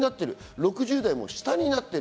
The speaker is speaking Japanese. ６０代も下になっている。